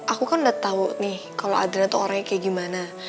aku kan udah tau nih kalau adrian tuh orangnya kayak gimana